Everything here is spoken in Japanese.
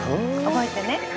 覚えてね。